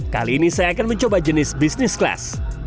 kali ini saya akan mencoba jenis bisnis kelas